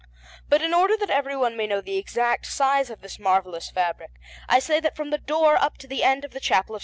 But in order that everyone may know the exact size of this marvellous fabric, I say that from the door up to the end of the Chapel of S.